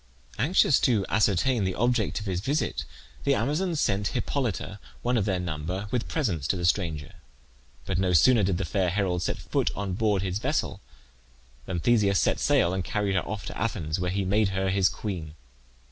Anxious to ascertain the object of his visit, the Amazons sent Hippolyte, one of their number, with presents to the stranger; but no sooner did the fair herald set foot on board his vessel than Theseus set sail and carried her off to Athens, where he made her his queen.